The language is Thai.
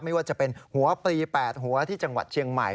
ไม่ว่าจะเป็นหัวปลี๘หัวที่จังหวัดเชียงใหม่